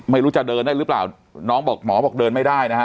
ไม่รู้จะเดินได้หรือเปล่าน้องบอกหมอบอกเดินไม่ได้นะฮะ